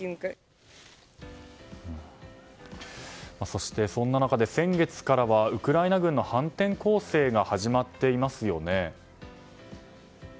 そして、そんな中で先月からはウクライナ軍の反転攻勢が始まっていますよね。